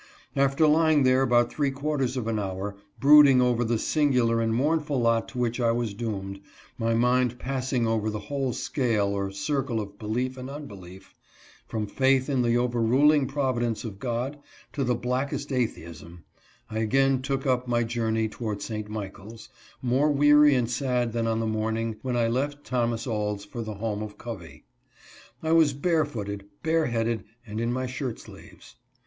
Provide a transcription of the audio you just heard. After lying there about three quarters of an hour, brooding over the singular and mournful lot to which I was doomed, my mind passing over the whole scale or circle of belief and unbelief, from faith in the overruling Providence of God, to the blackest atheism, I again took up my journey toward St. Michaels, more weary and sad than on the morning when I left Thomas Auld's for the home of Covey. I was bare footed, bare headed, and in' my shirt sleeves.